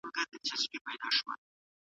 که نجونې منډې ووهي نو زړه به یې ناروغه نه وي.